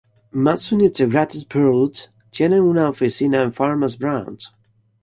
Maxim Integrated Products tiene una oficina en Farmers Branch.